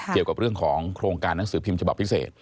เกี่ยวกับเรื่องของโครงการหนังสือพิมพ์ฉบับพิเศษ